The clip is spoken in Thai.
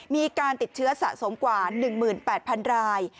มีการติดเชื้อสะสมกว่า๑๘๐๐๐ราย